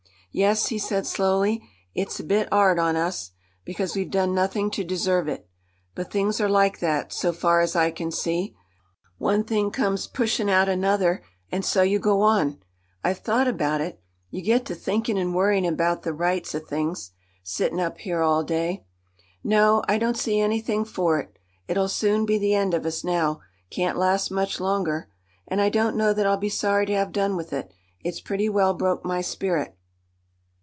"Yes," he said slowly, "it's a bit 'ard on us, because we've done nothing to deserve it. But things are like that, so far as I can see. One thing comes pushin' out another, and so you go on. I've thought about it—you get to thinkin' and worryin' about the rights o' things, sittin' up here all day. No, I don't see anything for it. It'll soon be the end of us now—can't last much longer. And I don't know that I'll be sorry to have done with it. It's pretty well broke my spirit."